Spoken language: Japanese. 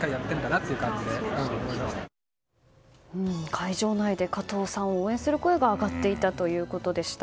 会場内で加藤さんを応援する声が上がっていたということでした。